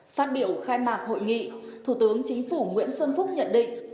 phát biểu khai mạc hội nghị thủ tướng chính phủ nguyễn xuân phúc nhận định